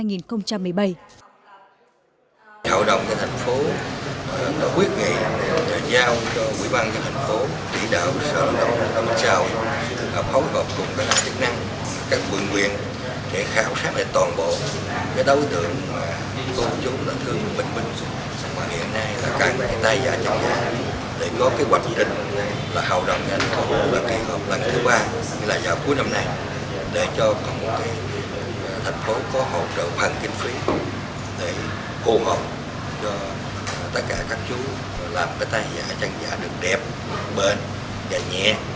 giờ cuối năm này để cho thành phố có hỗ trợ bằng kinh phí để hôn hợp cho tất cả các chú làm tay giả chăn giả được đẹp bền nhẹ dễ diễn diễn